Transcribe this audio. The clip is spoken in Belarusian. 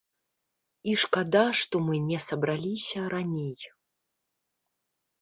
І шкада, што мы не сабраліся раней.